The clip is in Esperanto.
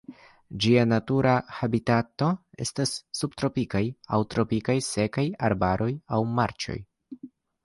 Ĝia natura habitato estas subtropikaj aŭ tropikaj sekaj arbaroj aŭ marĉoj.